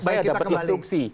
saya dapat instruksi